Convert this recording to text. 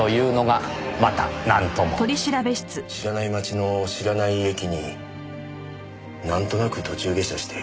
知らない町の知らない駅になんとなく途中下車して。